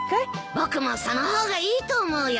僕もその方がいいと思うよ。